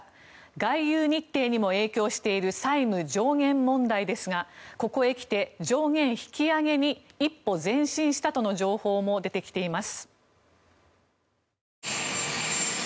外遊日程にも影響している債務上限問題ですがここへ来て、上限引き上げに一歩前進したとの情報も出てきています。